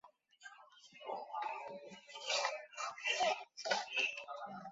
莱奥本附近圣斯特凡是奥地利施蒂利亚州莱奥本县的一个市镇。